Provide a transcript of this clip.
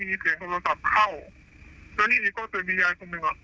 มีเสียงโทรศัพท์เข้าแล้วนี่ก็คือมียายคนหนึ่งอ่ะ